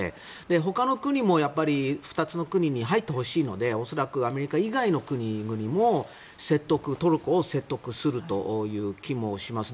ほかの国も２つの国に入ってほしいので恐らくアメリカ以外の国々もトルコを説得するという気もします。